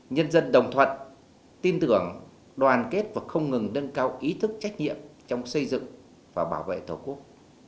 nhân dân đồng thuận tin tưởng đoàn kết và không ngừng nâng cao ý thức trách nhiệm trong xây dựng và bảo vệ tổ quốc